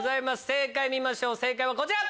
正解見ましょうこちら。